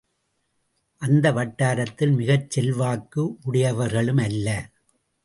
அந்த வட்டாரத்தில் மிகசெல்வாக்கு உடையவர்களும் அல்ல.